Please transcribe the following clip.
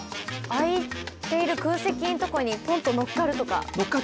空いている空席のところにポンとのっかるとか？